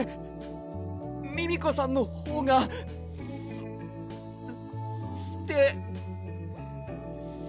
ミミコさんのほうがすすてす。